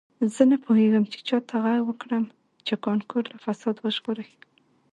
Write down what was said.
زه نه پوهیږم چې چا ته غږ وکړم چې کانکور له فساد وژغوري